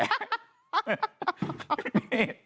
นี่